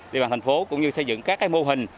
địa bàn thành phố cũng như xây dựng các mô hình